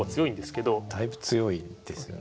だいぶ強いですよね。